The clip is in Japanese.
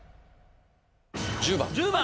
１０番。